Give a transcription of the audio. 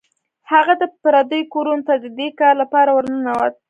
هغه د پردیو کورونو ته د دې کار لپاره ورنوت.